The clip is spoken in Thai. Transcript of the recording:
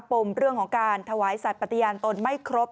ปมเรื่องของการถวายสัตว์ปฏิญาณตนไม่ครบ